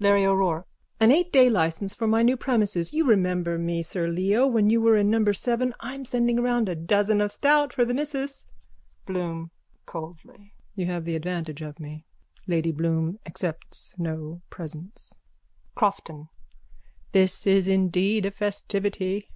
LARRY O'ROURKE: An eightday licence for my new premises. You remember me, sir Leo, when you were in number seven. I'm sending around a dozen of stout for the missus. BLOOM: (Coldly.) You have the advantage of me. Lady Bloom accepts no presents. CROFTON: This is indeed a festivity.